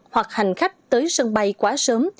hoặc hành khách tới sân bay quá sớm